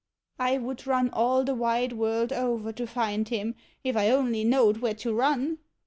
1 would run all the wide world over to find him, if I only knowed where to run.